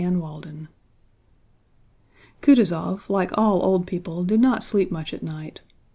CHAPTER XVII Kutúzov like all old people did not sleep much at night.